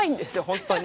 本当に。